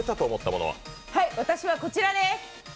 私はこちらです。